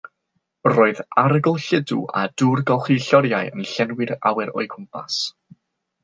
Roedd arogl lludw a dŵr golchi lloriau yn llenwi'r awyr o'u cwmpas.